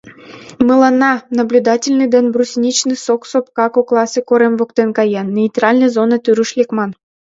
Мыланна, Наблюдательный ден Брусничный кок сопка кокласе корем воктен каен, нейтральный зона тӱрыш лекман.